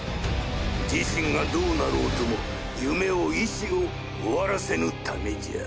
自身がどうなろうとも夢を意志を終わらせぬ為じゃ。